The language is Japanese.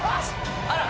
あら！